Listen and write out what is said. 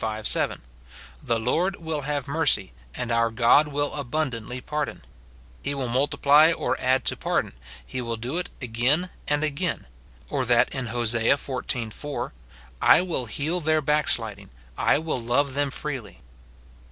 7, " The Lord Avill have mercy, and our God will abundantly pardon," — he will multiply or add to pardon, he will do it again and again ; or that in Hos. xiv. 4, " I will heal their back sliding, I will love them freely."